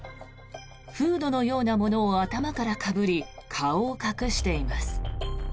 フードのようなものを頭からかぶり顔を隠しています。